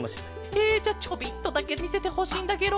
えじゃちょびっとだけみせてほしいんだケロ。